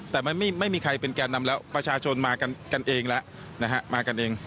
แต่มันไม่มีใครเป็นแก่นำแล้วประชาชนมากันเองแล้วนะฮะมากันเอง